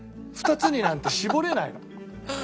２つになんて絞れないの。